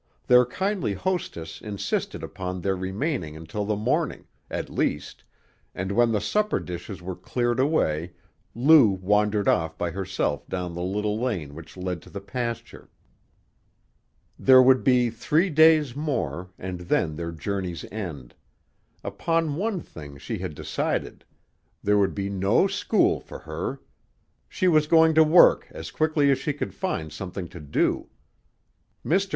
Their kindly hostess insisted upon their remaining until the morning, at least, and when the supper dishes were cleared away Lou wandered off by herself down the little lane which led to the pasture. There would be three days more, and then their journey's end. Upon one thing she had decided: there would be no school for her! She was going to work as quickly as she could find something to do. Mr.